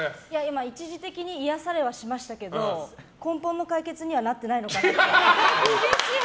一時的に癒やされはしましたけど根本の解決にはなってないのかなって。